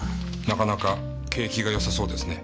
なかなか景気がよさそうですね。